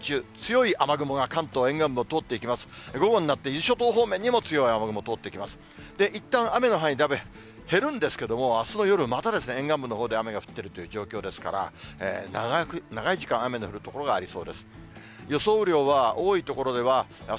いったん雨の範囲、減るんですけども、あすの夜、また沿岸部のほうで雨が降っているという状況ですから、長い時間、雨の降る所がありそうです。